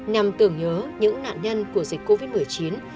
nhằm tưởng nhớ những nạn nhân của dịch covid một mươi chín